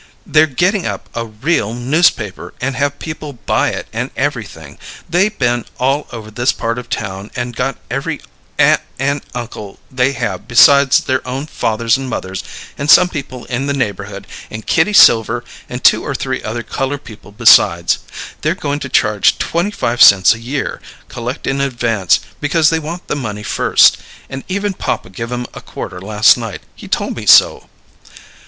They're getting up a real newspaper, and have people buy it and everything. They been all over this part of town and got every aunt and uncle they have besides their own fathers and mothers, and some people in the neighbourhood, and Kitty Silver and two or three other coloured people besides. They're going to charge twenty five cents a year, collect in advance because they want the money first; and even papa gave 'em a quarter last night; he told me so."